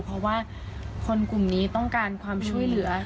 เพราะว่าคนกลุ่มนี้ต้องการความช่วยเหลือ